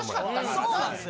そうなんですよ。